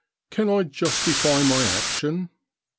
Can I j ustify my action